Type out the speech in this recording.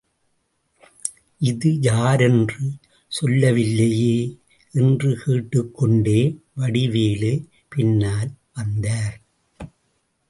இது யாரென்று சொல்லவில்லையே! என்று கேட்டுக் கொண்டே வடிவேலு பின்னால் வந்தார்.